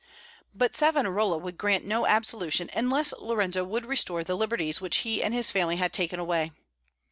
But Savonarola would grant no absolution unless Lorenzo would restore the liberties which he and his family had taken away.